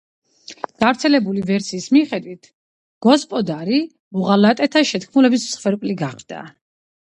გავრცელებული ვერსიის მიხედვით გოსპოდარი მოღალატეთა შეთქმულების მსხვერპლი გახდა.